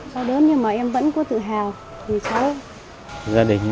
đau đớn nhưng mà em vẫn có tự hào vì cháu